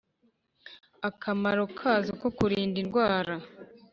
akamaro kazo ko kurinda indwara